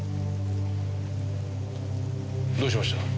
どうしました？